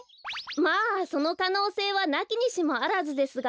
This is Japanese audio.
まあそのかのうせいはなきにしもあらずですが。